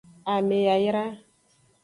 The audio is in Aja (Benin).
Ame yayra.